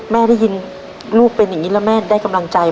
แม่ได้ยินลูกเป็นอย่างนี้แล้วแม่ได้กำลังใจ